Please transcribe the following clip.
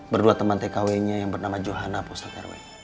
berdua teman tkw nya yang bernama johana pusat rw